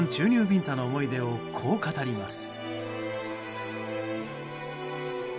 ビンタの思い出をこう語ります。